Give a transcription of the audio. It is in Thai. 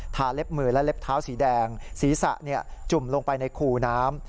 เล็บมือและเล็บเท้าสีแดงศีรษะจุ่มลงไปในคูน้ำ